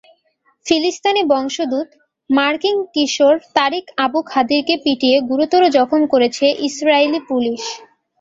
ফিলিস্তিনি বংশোদ্ভূত মার্কিন কিশোর তারিক আবু খাদিরকে পিটিয়ে গুরুতর জখম করেছে ইসরায়েলি পুলিশ।